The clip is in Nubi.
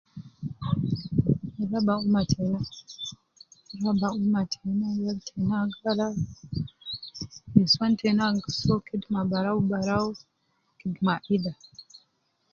Raba umma tena, raba umma tena ,yal tena agara, nusuwan tena gi soo kidima barau barau ,ma ida